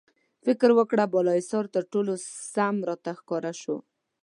فکر مې وکړ، بالاحصار تر ټولو سم راته ښکاره شو.